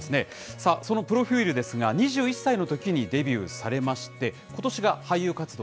さあ、そのプロフィールですが、２１歳のときにデビューされまして、ことしが俳優活動